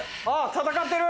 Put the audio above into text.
戦ってる！